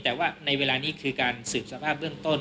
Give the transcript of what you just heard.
แต่ว่าในเวลานี้คือการสืบสภาพเบื้องต้น